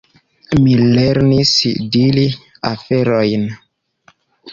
Mi lernis diri aferojn.